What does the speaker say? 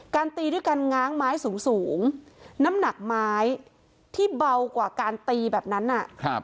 ตีด้วยการง้างไม้สูงสูงน้ำหนักไม้ที่เบากว่าการตีแบบนั้น